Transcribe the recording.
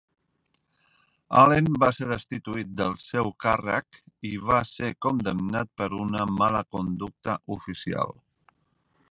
Allen va ser destituït del seu càrrec i va ser condemnat per una mala conducta oficial.